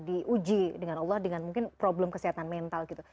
diuji dengan allah dengan mungkin problem kesehatan mental gitu